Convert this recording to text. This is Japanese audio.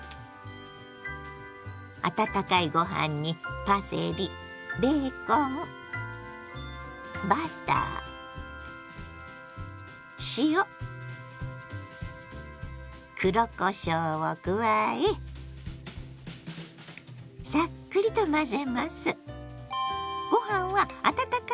温かいご飯にパセリベーコンバター塩黒こしょうを加えサックリと混ぜます。